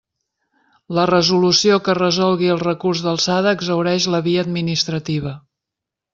La resolució que resolgui el recurs d'alçada exhaureix la via administrativa.